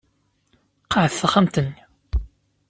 Qɛed taxxamt-nni.